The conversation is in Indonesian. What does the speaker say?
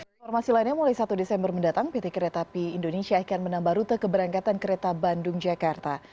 informasi lainnya mulai satu desember mendatang pt kereta api indonesia akan menambah rute keberangkatan kereta bandung jakarta